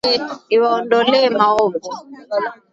Iwaondolee maovu.